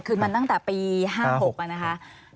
คือมันตั้งแต่ปี๕๖นะคะ